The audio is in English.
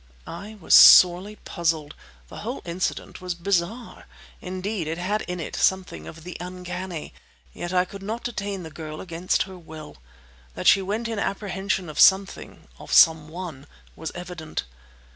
I was sorely puzzled. The whole incident was bizarre—indeed, it had in it something of the uncanny. Yet I could not detain the girl against her will. That she went in apprehension of something, of someone, was evident.